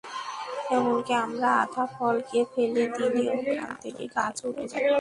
এমনকি আমরা আধা ফল খেয়ে ফেলে দিলে ওখান থেকেও গাছ উঠে যায়।